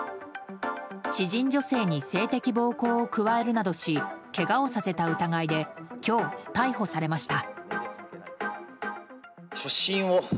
知人女性に性的暴行を加えるなどしけがをさせた疑いで今日逮捕されました。